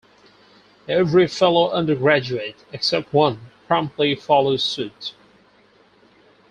Every fellow undergraduate, except one, promptly follows suit.